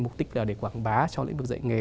mục đích là để quảng bá cho lĩnh vực dạy nghề